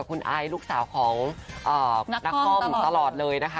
กับคุณอายลูกสาวของนักคล่อมตลอดเลยนะคะ